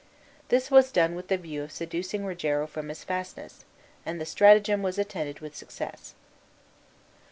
This was done with the view of seducing Rogero from his fastness, and the stratagem was attended with success.